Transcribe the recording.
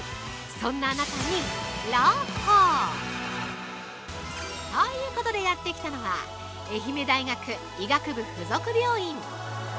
そんなあなたに朗報。ということで、やってきたのは愛媛大学医学部附属病院。